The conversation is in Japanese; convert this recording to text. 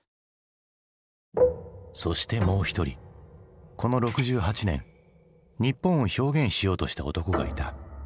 そしてもう一人この６８年日本を表現しようとした男がいた。